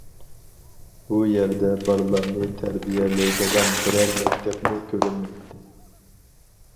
بۇ يەردە بالىلارنى تەربىيەلەيدىغان بىرەر مەكتەپمۇ كۆرۈنمەيتتى.